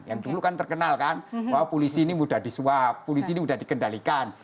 yang dulu kan terkenal kan bahwa polisi ini mudah disuap polisi ini mudah dikendalikan